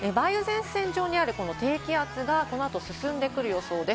梅雨前線上にあるこの低気圧が、この後、進んでくる予想です。